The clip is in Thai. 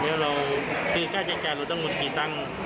แล้วเราคือค่าใช้การเราต้องหมดกี่ตั้ง